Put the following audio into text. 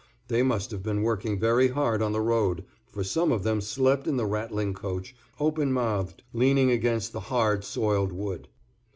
They must have been working very hard on the road, for some of them slept in the rattling coach, open mouthed, leaning against the hard, soiled wood.